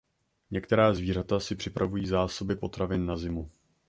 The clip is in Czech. Některá zvířata si připravují zásoby potravin na zimu.